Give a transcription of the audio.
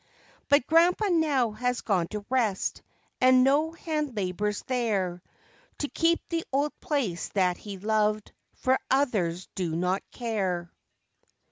But Grandpa now has gone to rest, and no hand labors there To keep the old place that he loved— for others do not care.